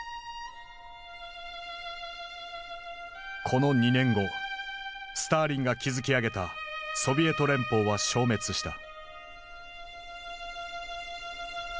この２年後スターリンが築き上げたソビエト連邦は消滅した。